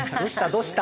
どうした？